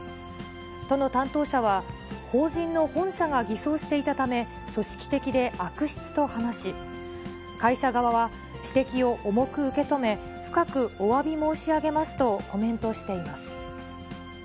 都の担当者は、法人の本社が偽装していたため、組織的で悪質と話し、会社側は指摘を重く受け止め、深くおわび申し上げますとコメントしています。